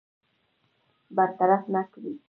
برطرف نه کړي.